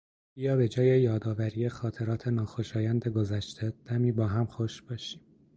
بیا به جای یادآوری خاطرات ناخوشایند گذشته دمی با هم خوش باشیم.